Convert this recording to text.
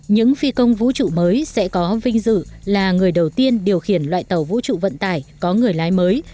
những phi công vũ trụ mới sẽ có vinh dự là người đầu tiên điều khiển loại tàu vũ trụ vận tải có người lái mới